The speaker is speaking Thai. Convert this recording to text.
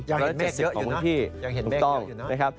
ยังเห็นเมฆเยอะอยู่นะ